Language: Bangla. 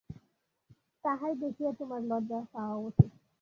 তাহাই দেখিয়া তোমার লজ্জা পাওয়া উচিত।